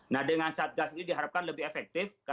nah dengan satgas ini diharapkan lebih efektif